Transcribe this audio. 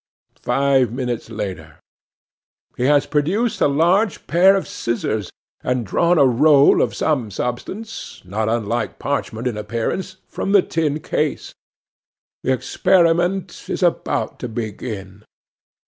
'Five minutes later. 'HE has produced a large pair of scissors, and drawn a roll of some substance, not unlike parchment in appearance, from the tin case. The experiment is about to begin.